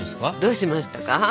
どうしましたか？